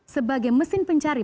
sebagai mesin pencari